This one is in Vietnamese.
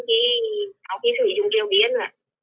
khi sử dụng điều biến